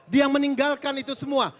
dia meninggalkan itu semua